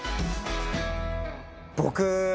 僕